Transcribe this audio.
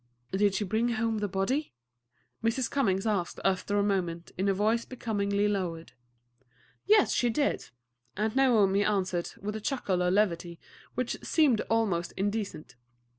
"Did she bring home the body?" Mrs. Cummings asked after a moment, in a voice becomingly lowered. "Yes, she did," Aunt Naomi answered, with a chuckle of levity which seemed almost indecent.